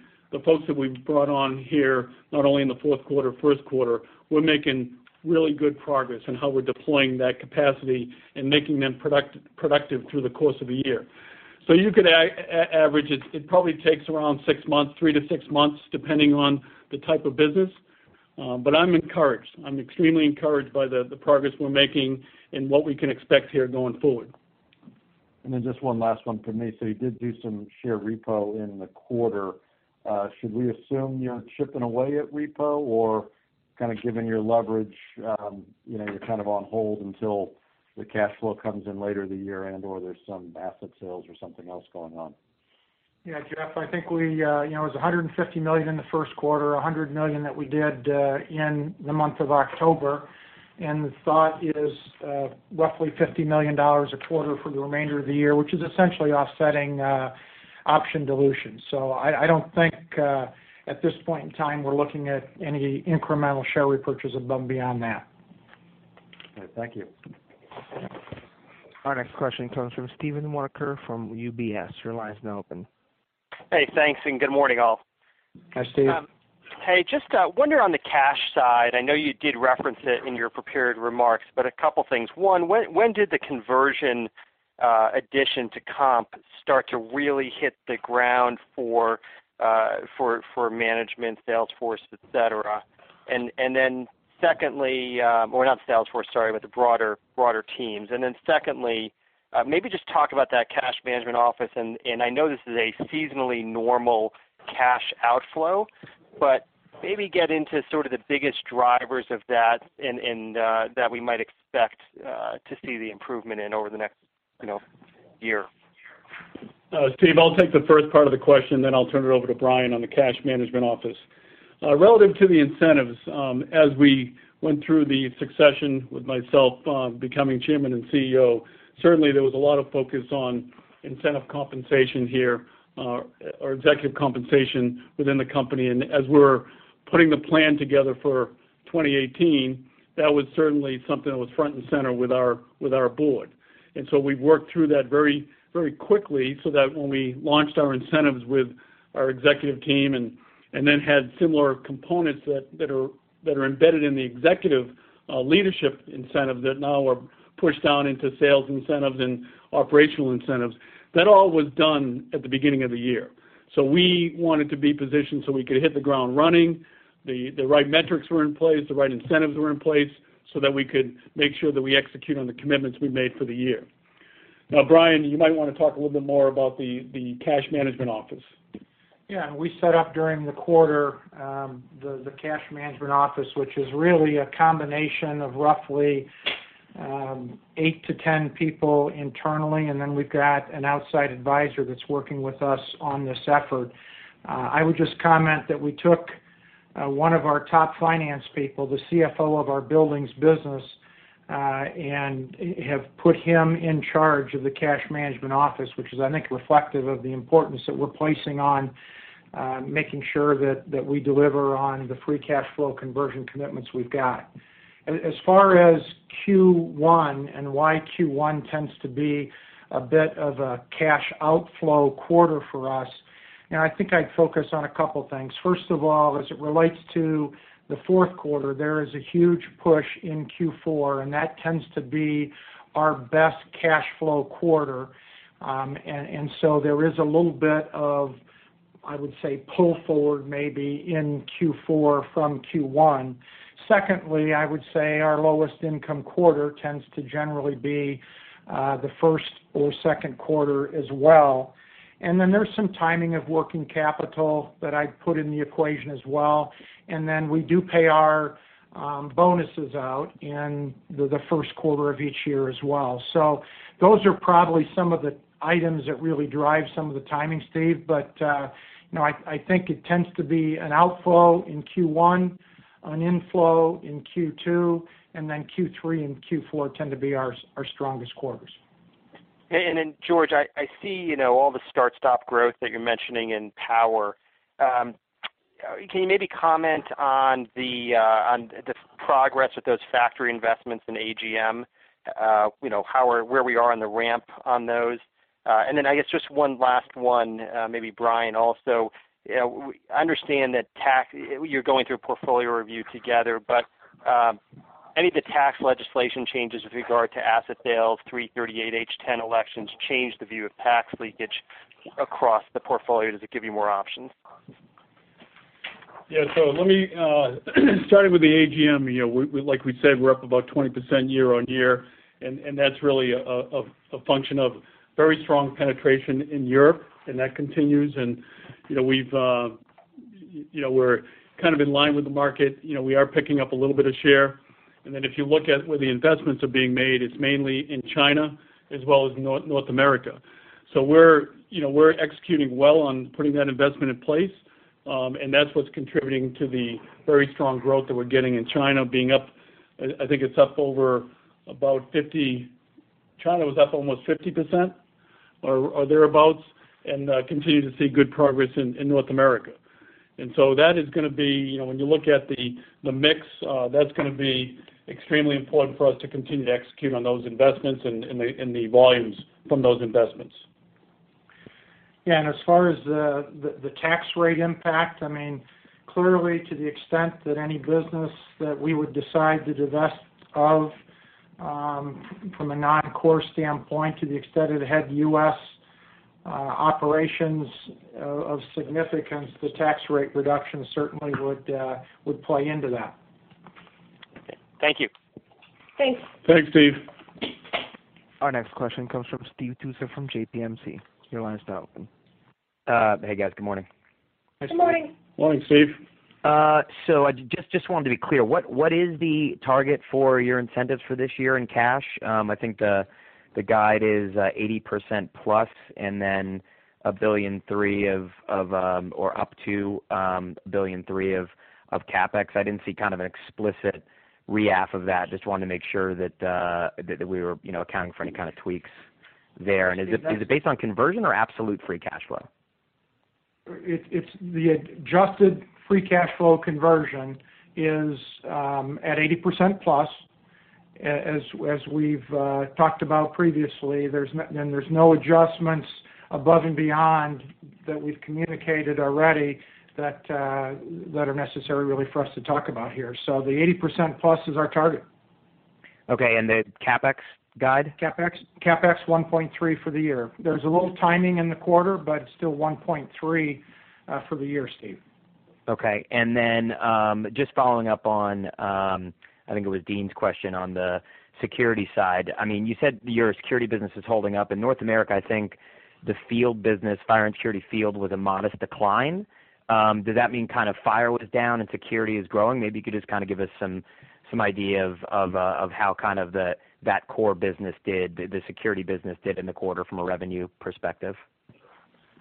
folks that we've brought on here, not only in the fourth quarter, first quarter, we're making really good progress in how we're deploying that capacity and making them productive through the course of a year. You could average it. It probably takes around six months, three to six months, depending on the type of business. I'm encouraged. I'm extremely encouraged by the progress we're making and what we can expect here going forward. Just one last one from me. You did do some share repo in the quarter. Should we assume you're chipping away at repo or kind of given your leverage, you're kind of on hold until the cash flow comes in later the year and/or there's some asset sales or something else going on? Jeff, I think it was $150 million in the first quarter, $100 million that we did in the month of October. The thought is roughly $50 million a quarter for the remainder of the year, which is essentially offsetting option dilution. I don't think, at this point in time, we're looking at any incremental share repurchase above and beyond that. All right. Thank you. Our next question comes from Steven Walker from UBS. Your line is now open. Hey, thanks. Good morning, all. Hi, Steve. Hey, just wonder on the cash side, I know you did reference it in your prepared remarks, but a couple things. One, when did the conversion addition to comp start to really hit the ground for management, sales force, et cetera? Or not sales force, sorry, but the broader teams. Secondly, maybe just talk about that cash management office, and I know this is a seasonally normal cash outflow, but maybe get into sort of the biggest drivers of that and that we might expect to see the improvement in over the next year. Steve, I'll take the first part of the question, then I'll turn it over to Brian on the cash management office. Relative to the incentives, as we went through the succession with myself becoming Chairman and CEO, certainly there was a lot of focus on incentive compensation here or executive compensation within the company. As we're putting the plan together for 2018, that was certainly something that was front and center with our board. We've worked through that very quickly so that when we launched our incentives with our executive team and then had similar components that are embedded in the executive leadership incentive that now are pushed down into sales incentives and operational incentives. That all was done at the beginning of the year. We wanted to be positioned so we could hit the ground running. The right metrics were in place, the right incentives were in place so that we could make sure that we execute on the commitments we made for the year. Now, Brian, you might want to talk a little bit more about the cash management office. Yeah, we set up during the quarter the cash management office, which is really a combination of roughly eight to 10 people internally, and then we've got an outside advisor that's working with us on this effort. I would just comment that we took one of our top finance people, the CFO of our buildings business, and have put him in charge of the cash management office, which is, I think, reflective of the importance that we're placing on making sure that we deliver on the free cash flow conversion commitments we've got. As far as Q1 and why Q1 tends to be a bit of a cash outflow quarter for us, I think I'd focus on a couple things. First of all, as it relates to the fourth quarter, there is a huge push in Q4, and that tends to be our best cash flow quarter. There is a little bit of, I would say, pull forward maybe in Q4 from Q1. Secondly, I would say our lowest income quarter tends to generally be the first or second quarter as well. There's some timing of working capital that I'd put in the equation as well. We do pay our bonuses out in the first quarter of each year as well. Those are probably some of the items that really drive some of the timing, Steve, but I think it tends to be an outflow in Q1, an inflow in Q2, and then Q3 and Q4 tend to be our strongest quarters. George, I see all the start-stop growth that you're mentioning in power. Can you maybe comment on the progress with those factory investments in AGM? Where we are on the ramp on those? I guess just one last one, maybe Brian also. I understand that you're going through a portfolio review together, but any of the tax legislation changes with regard to asset sales, 338(h)(10) elections change the view of tax leakage across the portfolio? Does it give you more options? Yeah. Let me start with the AGM. Like we said, we're up about 20% year-over-year, and that's really a function of very strong penetration in Europe, and that continues. We're kind of in line with the market. We are picking up a little bit of share. If you look at where the investments are being made, it's mainly in China as well as North America. We're executing well on putting that investment in place. That's what's contributing to the very strong growth that we're getting in China being up. I think China was up almost 50% or thereabouts, and continue to see good progress in North America. When you look at the mix, that's going to be extremely important for us to continue to execute on those investments and the volumes from those investments. As far as the tax rate impact, clearly to the extent that any business that we would decide to divest of from a non-core standpoint, to the extent it had U.S. operations of significance, the tax rate reduction certainly would play into that. Thank you. Thanks. Thanks, Steve. Our next question comes from Steve Tusa from JPMorgan. Your line is now open. Hey, guys. Good morning. Good morning. Morning, Steve. I just wanted to be clear. What is the target for your incentives for this year in cash? I think the guide is 80% plus and then up to $1.3 billion of CapEx. I didn't see kind of an explicit re-aff of that. Just wanted to make sure that we were accounting for any kind of tweaks there. Is it based on conversion or absolute free cash flow? The adjusted free cash flow conversion is at 80% plus, as we've talked about previously. There's no adjustments above and beyond that we've communicated already that are necessary really for us to talk about here. The 80% plus is our target. Okay. The CapEx guide? CapEx $1.3 for the year. There's a little timing in the quarter, still $1.3 for the year, Steve. Okay. Just following up on, I think it was Deane's question on the security side. You said your security business is holding up. In North America, I think the field business, fire and security field was a modest decline. Does that mean kind of fire was down and security is growing? Maybe you could just kind of give us some idea of how kind of that core business did, the security business did in the quarter from a revenue perspective.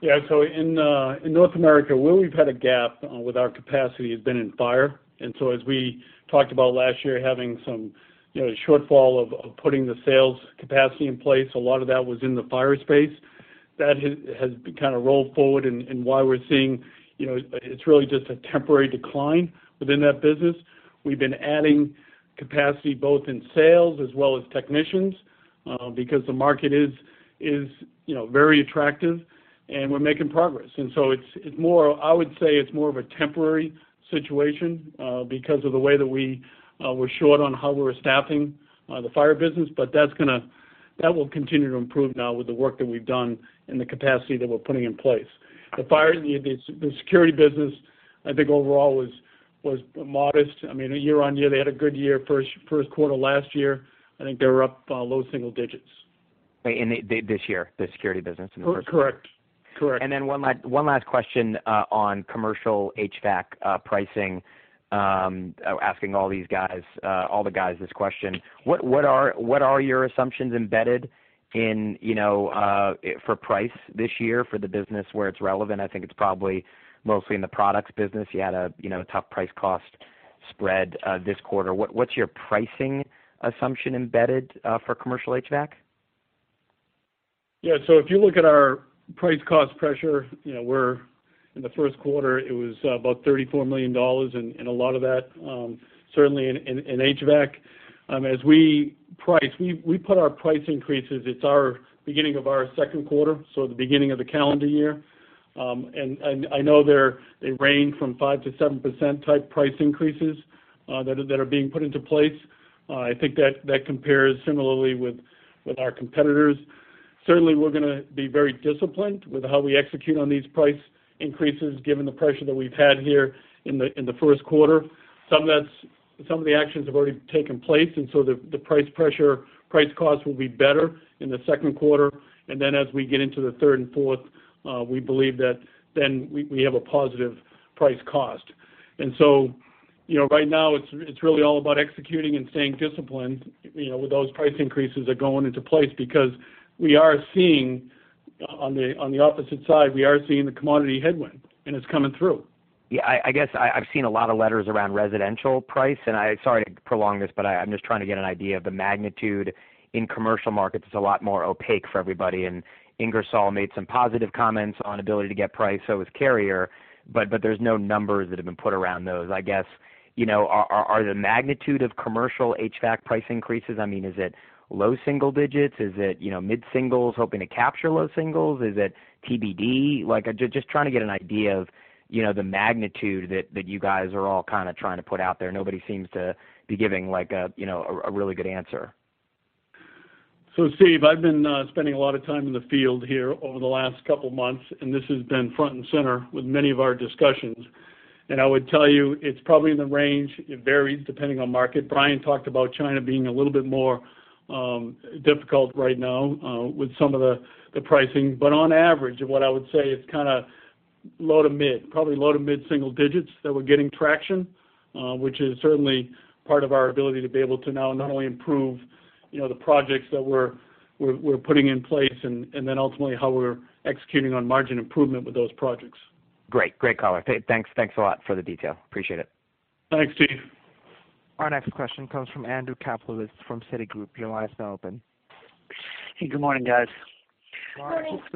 In North America, where we've had a gap with our capacity has been in fire. As we talked about last year, having some shortfall of putting the sales capacity in place, a lot of that was in the fire space. That has kind of rolled forward and why we're seeing it's really just a temporary decline within that business. We've been adding capacity both in sales as well as technicians, because the market is very attractive, and we're making progress. I would say it's more of a temporary situation, because of the way that we were short on how we were staffing the fire business. That will continue to improve now with the work that we've done and the capacity that we're putting in place. The security business, I think overall was modest. Year-on-year, they had a good year first quarter last year. I think they were up low single digits. This year, the security business? Correct. One last question, on commercial HVAC pricing. Asking all the guys this question. What are your assumptions embedded for price this year for the business where it's relevant? I think it's probably mostly in the products business. You had a tough price-cost spread this quarter. What's your pricing assumption embedded for commercial HVAC? If you look at our price cost pressure, in the first quarter, it was about $34 million, a lot of that certainly in HVAC. As we price, we put our price increases, it's our beginning of our second quarter, so the beginning of the calendar year. I know they range from 5%-7% type price increases that are being put into place. I think that compares similarly with our competitors. Certainly, we're going to be very disciplined with how we execute on these price increases given the pressure that we've had here in the first quarter. Some of the actions have already taken place, the price cost will be better in the second quarter. As we get into the third and fourth, we believe that then we have a positive price cost. Right now, it's really all about executing and staying disciplined with those price increases that are going into place because on the opposite side, we are seeing the commodity headwind and it's coming through Yeah, I guess I've seen a lot of letters around residential price, sorry to prolong this, but I'm just trying to get an idea of the magnitude. In commercial markets, it's a lot more opaque for everybody. Ingersoll-Rand made some positive comments on ability to get price. So did Carrier, but there's no numbers that have been put around those. I guess, are the magnitude of commercial HVAC price increases, is it low single digits? Is it mid-singles hoping to capture low singles? Is it TBD? Just trying to get an idea of the magnitude that you guys are all kind of trying to put out there. Nobody seems to be giving a really good answer. Steve, I've been spending a lot of time in the field here over the last couple of months, this has been front and center with many of our discussions. I would tell you it's probably in the range. It varies depending on market. Brian talked about China being a little bit more difficult right now with some of the pricing. On average, what I would say, it's kind of low to mid, probably low to mid single digits that we're getting traction, which is certainly part of our ability to be able to now not only improve the projects that we're putting in place and then ultimately how we're executing on margin improvement with those projects. Great. Great color. Thanks a lot for the detail. Appreciate it. Thanks, Steve. Our next question comes from Andrew Kaplowitz from Citigroup. Your line is now open. Hey, good morning, guys. Good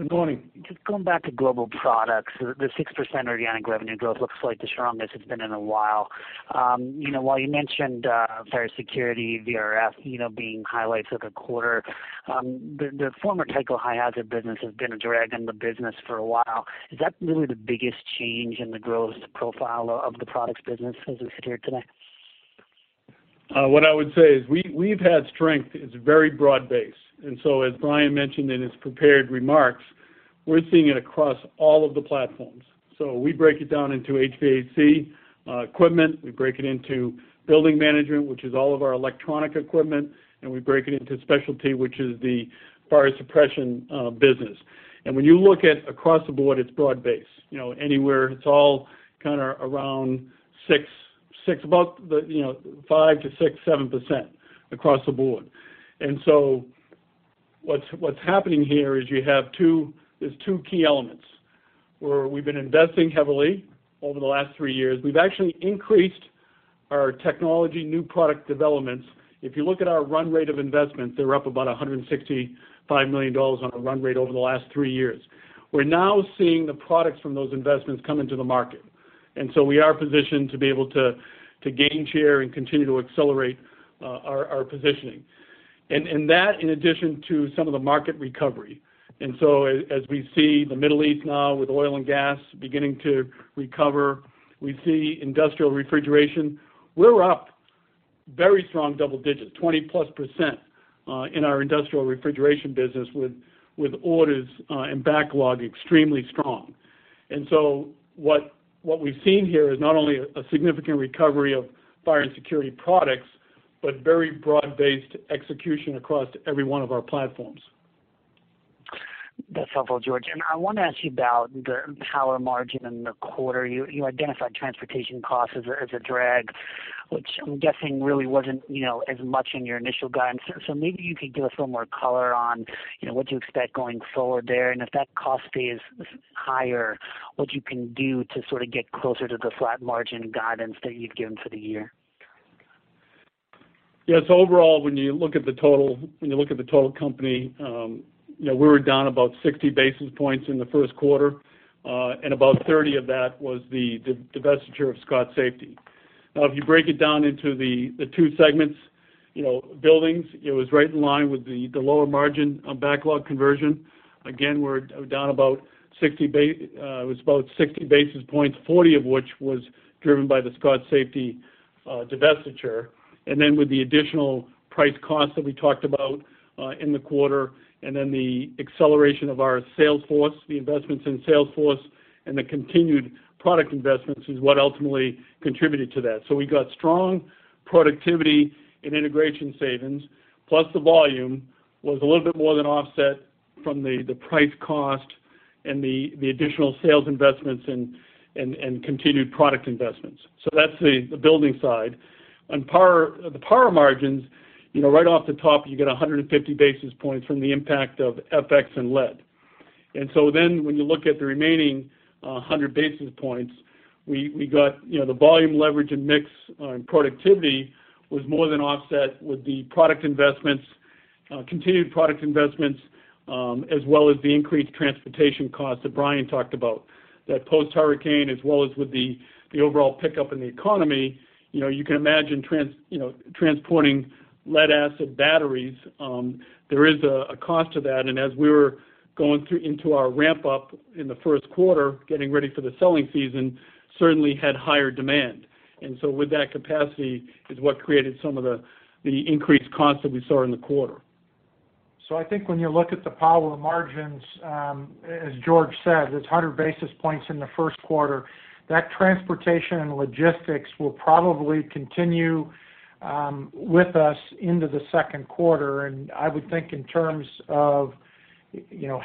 morning. Just going back to Global Products, the 6% organic revenue growth looks like the strongest it's been in a while. While you mentioned fire security, VRF being highlights of the quarter, the former Tyco high hazard business has been a drag on the business for a while. Is that really the biggest change in the growth profile of the products business as we sit here today? What I would say is we've had strength. It's very broad-based. As Brian mentioned in his prepared remarks, we're seeing it across all of the platforms. We break it down into HVAC equipment. We break it into building management, which is all of our electronic equipment, we break it into specialty, which is the fire suppression business. When you look at across the board, it's broad based. Anywhere, it's all kind of around 5%-6%, 7% across the board. What's happening here is there's two key elements where we've been investing heavily over the last three years. We've actually increased our technology new product developments. If you look at our run rate of investments, they were up about $165 million on a run rate over the last three years. We're now seeing the products from those investments come into the market. We are positioned to be able to gain share and continue to accelerate our positioning. That in addition to some of the market recovery. As we see the Middle East now with oil and gas beginning to recover, we see industrial refrigeration. We're up very strong double digits, 20+%, in our industrial refrigeration business with orders and backlog extremely strong. What we've seen here is not only a significant recovery of fire and security products, but very broad-based execution across every one of our platforms. That's helpful, George. I want to ask you about the power margin in the quarter. You identified transportation costs as a drag, which I'm guessing really wasn't as much in your initial guidance. Maybe you could give us a little more color on what you expect going forward there, and if that cost stays higher, what you can do to sort of get closer to the flat margin guidance that you've given for the year. Yes. Overall, when you look at the total company, we were down about 60 basis points in the first quarter. About 30 of that was the divestiture of Scott Safety. If you break it down into the 2 segments, buildings, it was right in line with the lower margin on backlog conversion. Again, it was about 60 basis points, 40 of which was driven by the Scott Safety divestiture. With the additional price cost that we talked about in the quarter, then the acceleration of our sales force, the investments in sales force, and the continued product investments is what ultimately contributed to that. We got strong productivity and integration savings, plus the volume was a little bit more than offset from the price cost and the additional sales investments and continued product investments. That's the building side. On the power margins, right off the top, you get 150 basis points from the impact of FX and lead. When you look at the remaining 100 basis points, we got the volume leverage and mix on productivity was more than offset with the continued product investments, as well as the increased transportation cost that Brian talked about. That post hurricane as well as with the overall pickup in the economy, you can imagine transporting lead-acid batteries, there is a cost to that. As we were going into our ramp up in the first quarter, getting ready for the selling season, certainly had higher demand. With that capacity is what created some of the increased cost that we saw in the quarter. I think when you look at the power margins, as George said, it's 100 basis points in the first quarter. That transportation and logistics will probably continue with us into the second quarter, and I would think in terms of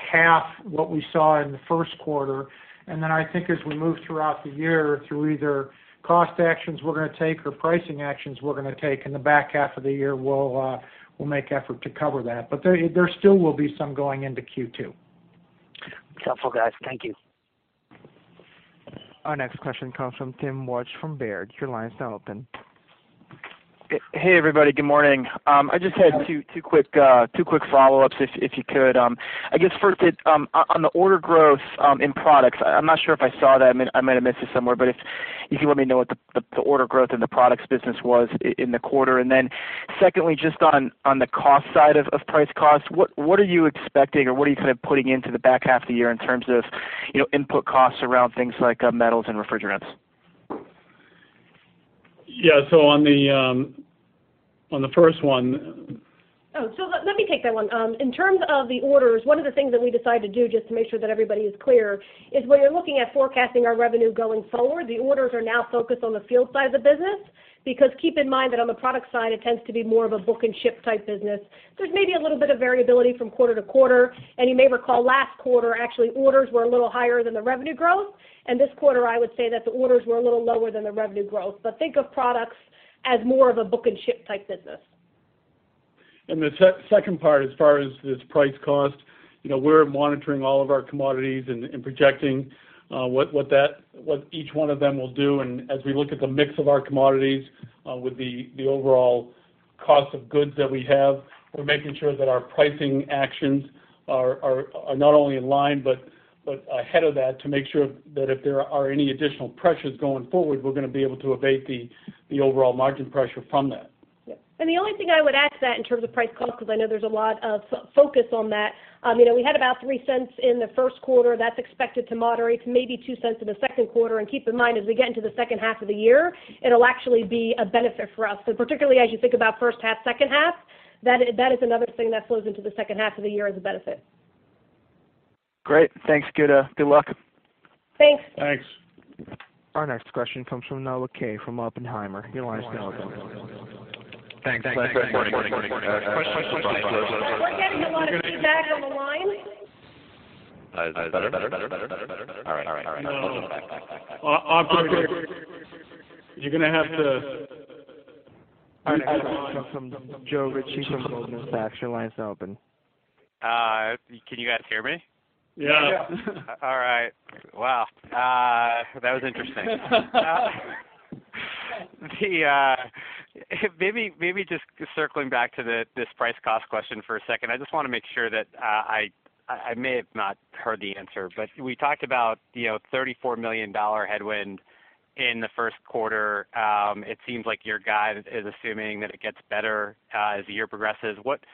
half what we saw in the first quarter. I think as we move throughout the year through either cost actions we're going to take or pricing actions we're going to take in the back half of the year, we'll make effort to cover that. There still will be some going into Q2. It's helpful, guys. Thank you. Our next question comes from Timothy Wojs from Baird. Your line is now open. Hey, everybody. Good morning. I just had two quick follow-ups if you could. I guess first, on the order growth in products, I'm not sure if I saw that. I might have missed it somewhere, but if you can let me know what the order growth in the products business was in the quarter. Secondly, just on the cost side of price cost, what are you expecting, or what are you kind of putting into the back half of the year in terms of input costs around things like metals and refrigerants? Yeah. On the first one. Let me take that one. In terms of the orders, one of the things that we decided to do, just to make sure that everybody is clear, is when you're looking at forecasting our revenue going forward, the orders are now focused on the field side of the business. Keep in mind that on the product side, it tends to be more of a book and ship type business. There's maybe a little bit of variability from quarter to quarter. You may recall last quarter, actually, orders were a little higher than the revenue growth. This quarter, I would say that the orders were a little lower than the revenue growth. Think of products as more of a book and ship type business. The second part, as far as this price cost, we're monitoring all of our commodities and projecting what each one of them will do. As we look at the mix of our commodities with the overall cost of goods that we have, we're making sure that our pricing actions are not only in line, but ahead of that to make sure that if there are any additional pressures going forward, we're going to be able to abate the overall margin pressure from that. The only thing I would add to that in terms of price cost, because I know there's a lot of focus on that. We had about $0.03 in the first quarter. That's expected to moderate to maybe $0.02 in the second quarter. Keep in mind, as we get into the second half of the year, it'll actually be a benefit for us. Particularly as you think about first half, second half, that is another thing that flows into the second half of the year as a benefit. Great. Thanks. Good luck. Thanks. Thanks. Our next question comes from Noah Kaye from Oppenheimer. Your line is now open. Thanks. Good morning. We're getting a lot of feedback on the line. Is this better? All right. No. Operator, you're going to have to mute my line. Our next question comes from Joe Ritchie from Goldman Sachs. Your line is open. Can you guys hear me? Yeah. All right. Wow. That was interesting. Maybe just circling back to this price cost question for a second. I just want to make sure that, I may have not heard the answer. We talked about $34 million headwind in the first quarter. It seems like your guide is assuming that it gets better as the year progresses. What's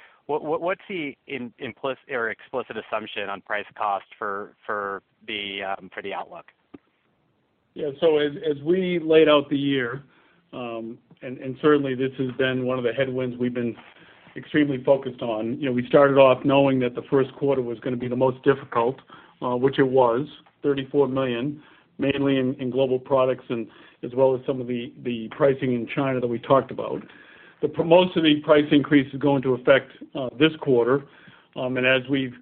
the explicit assumption on price cost for the outlook? As we laid out the year, certainly this has been one of the headwinds we've been extremely focused on. We started off knowing that the first quarter was going to be the most difficult, which it was, $34 million, mainly in global products and as well as some of the pricing in China that we talked about. Most of the price increase is going to affect this quarter. As we've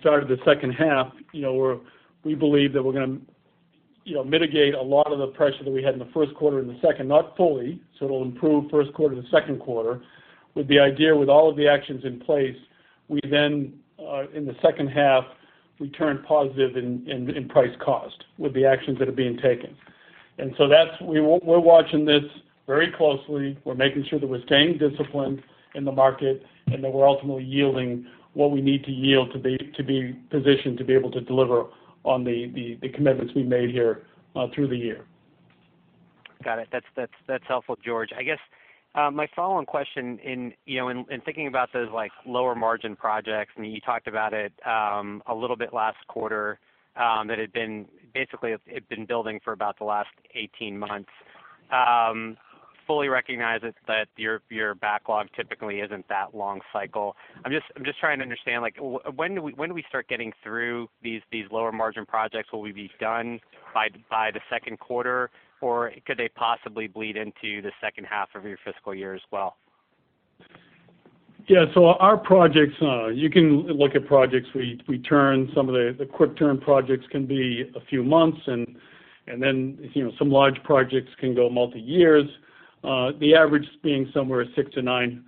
started the second half, we believe that we're going to mitigate a lot of the pressure that we had in the first quarter, in the second. Not fully, so it'll improve first quarter to second quarter. With the idea with all of the actions in place, in the second half, we turn positive in price cost with the actions that are being taken. We're watching this very closely. We're making sure that we're staying disciplined in the market and that we're ultimately yielding what we need to yield to be positioned to be able to deliver on the commitments we made here through the year. Got it. That's helpful, George. I guess my follow-on question in thinking about those lower margin projects, and you talked about it a little bit last quarter, that it had been basically building for about the last 18 months. Fully recognize that your backlog typically isn't that long cycle. I'm just trying to understand, when do we start getting through these lower margin projects? Will we be done by the second quarter, or could they possibly bleed into the second half of your fiscal year as well? Our projects, you can look at projects, we turn some of the quick turn projects can be a few months, then some large projects can go multi-years. The average being somewhere six to nine,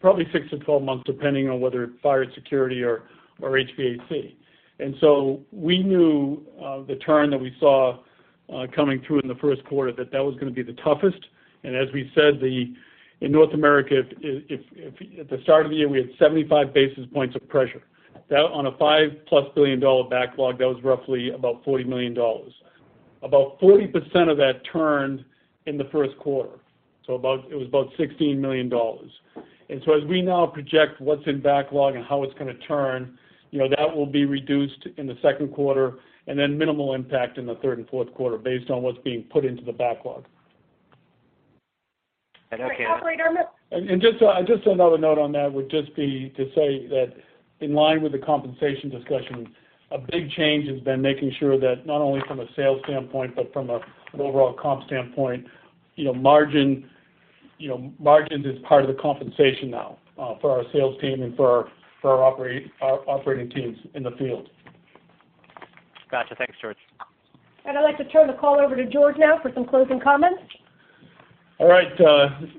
probably six to 12 months, depending on whether fire and security or HVAC. We knew the turn that we saw coming through in the first quarter, that that was going to be the toughest. As we said, in North America, at the start of the year, we had 75 basis points of pressure. That on a $5-plus billion backlog, that was roughly about $40 million. About 40% of that turned in the first quarter. It was about $16 million. As we now project what's in backlog and how it's going to turn, that will be reduced in the second quarter and then minimal impact in the third and fourth quarter based on what's being put into the backlog. Okay. Operator- Just another note on that would just be to say that in line with the compensation discussion, a big change has been making sure that not only from a sales standpoint, but from an overall comp standpoint, margins is part of the compensation now for our sales team and for our operating teams in the field. Got you. Thanks, George. I'd like to turn the call over to George now for some closing comments. All right.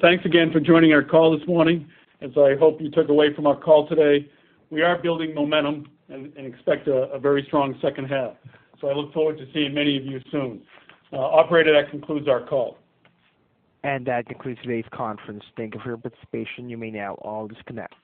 Thanks again for joining our call this morning. As I hope you took away from our call today, we are building momentum and expect a very strong second half. I look forward to seeing many of you soon. Operator, that concludes our call. That concludes today's conference. Thank you for your participation. You may now all disconnect.